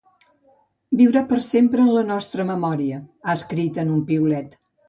Viurà per sempre en la nostra memòria, ha escrit en un piulet.